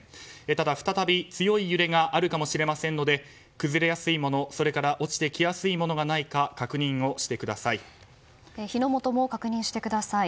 ただ、再び強い揺れがあるかもしれませんので崩れやすいもの落ちてきやすいものがないか火の元も確認してください。